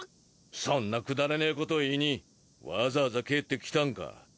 そんなくだらねぇこと言いにわざわざ帰って来たんか？